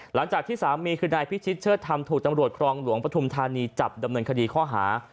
หลังจากที่สามีคือนายพิชิตเชิดธรรมถูกตำรวจครองหลวงปฐุมธานีจับดำเนินคดีข้อหา